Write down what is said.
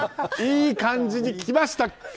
いい感じにきました。